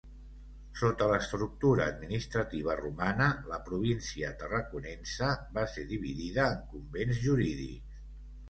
Sota l'estructura administrativa romana, la província Tarraconense va ser dividida en convents jurídics.